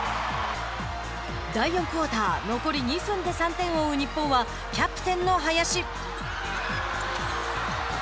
第４クオーター残り２分で３点を追う日本はキャプテンの林。